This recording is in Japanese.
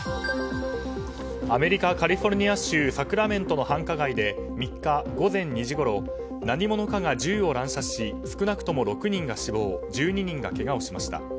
アメリカ・カリフォルニア州サクラメントの繁華街で３日午前２時ごろ何者かが銃を乱射し少なくとも６人が死亡１２人がけがをしました。